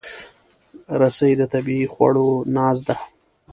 رس د طبیعي خواړو ناز ده